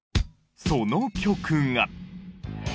その曲が。